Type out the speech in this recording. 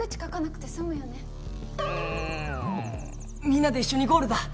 みんなで一緒にゴールだ！